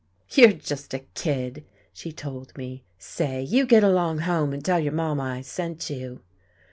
"You're just a kid," she told me. "Say, you get along home, and tell your mamma I sent you."